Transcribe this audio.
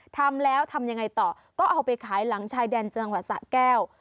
ทำแล้วทำยังไงต่อก็เอาไปขายหลังชายแดนจังหวัดสะแก้ว